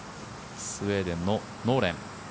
スウェーデンのノーレン。